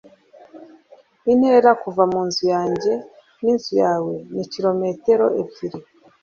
intera kuva munzu yanjye n'inzu yawe ni kilometero ebyiri